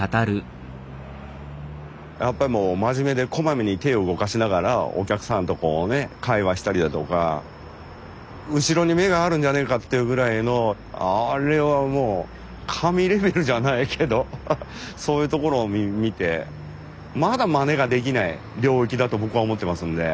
やっぱりもう真面目でこまめに手を動かしながらお客さんとこうね会話したりだとか後ろに目があるんじゃねえかっていうぐらいのあれはもう神レベルじゃないけどそういうところを見てまだまねができない領域だと僕は思ってますんで。